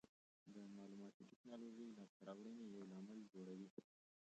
د معلوماتي ټکنالوژۍ لاسته راوړنې یو لامل جوړوي.